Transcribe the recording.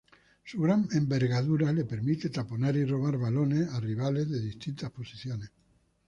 Su gran envergadura le permite taponar y robar balones a rivales de distintas posiciones.